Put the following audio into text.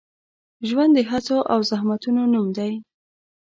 ژوند د هڅو او زحمتونو نوم دی.